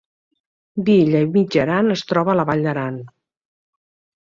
Vielha i Mijaran es troba a la Val d’Aran